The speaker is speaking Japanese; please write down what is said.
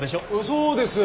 そうです。